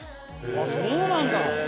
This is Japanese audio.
あっそうなんだ。